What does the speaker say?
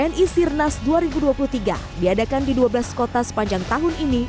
ni sirnas dua ribu dua puluh tiga diadakan di dua belas kota sepanjang tahun ini